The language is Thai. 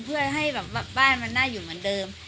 เพื่อให้แบบว่าบ้านมันน่าอยู่เหมือนเดิม